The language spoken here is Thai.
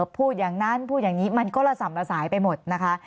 พูดอย่างนั้นพูดอย่างนี้มันก็ระส่ำละสายไปหมดนะคะ